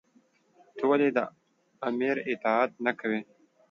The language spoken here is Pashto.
تۀ ولې د آمر اطاعت نۀ کوې؟